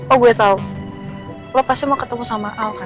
oh gue tahu lo pasti mau ketemu sama al kan